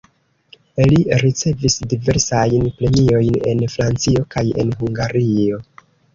Li ricevis diversajn premiojn en Francio kaj en Hungario.